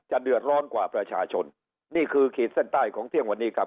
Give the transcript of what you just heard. เดือดร้อนกว่าประชาชนนี่คือขีดเส้นใต้ของเที่ยงวันนี้ครับ